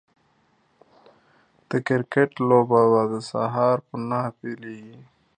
د کرکټ لوبه به د سهار په نهه پيليږي